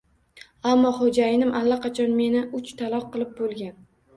Ammo xo‘jayinim allaqachon meni uch taloq qilib bo‘lg‘an